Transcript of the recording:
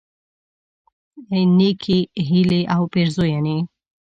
نیکی هیلی او پیرزوینی